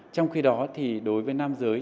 trong khi đó thì đối với nam giới